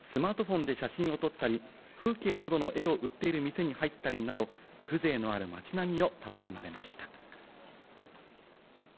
ご夫妻はスマートフォンで写真を撮ったり、風景などの絵を売っている店に入ったりなど、風情のある街並みを楽しまれました。